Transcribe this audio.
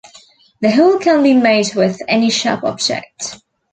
The hole can be made with any sharp object.